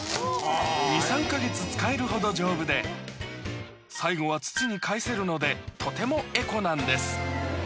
２３か月使えるほど丈夫で最後は土に返せるのでとてもエコなんです